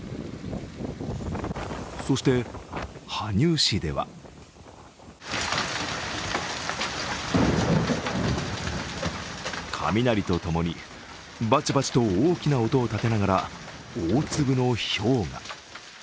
そして羽生市では雷とともに、バチバチと大きな音を立てながら大粒のひょうが。